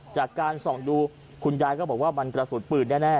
จากการส่องดูคุณยายก็บอกว่ามันกระสุนปืนแน่